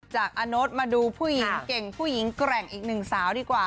อาโน๊ตมาดูผู้หญิงเก่งผู้หญิงแกร่งอีกหนึ่งสาวดีกว่า